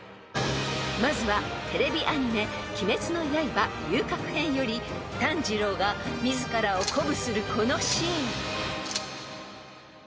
［まずはテレビアニメ『鬼滅の刃』遊郭編より炭治郎が自らを鼓舞するこのシーン］